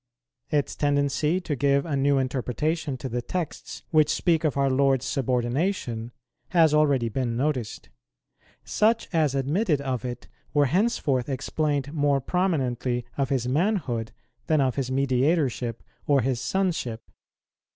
Its tendency to give a new interpretation to the texts which speak of our Lord's subordination, has already been noticed; such as admitted of it were henceforth explained more prominently of His manhood than of His Mediatorship or His Sonship.